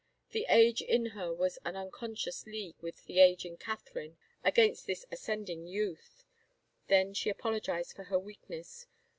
The age in her was in unconscious league with the age in Catherine against this ascending youth. Then she apologized for her weakness.